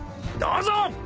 どうぞ。